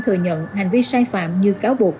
thừa nhận hành vi sai phạm như cáo buộc